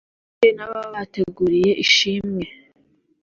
nshimire n’ababateguriye ishimwe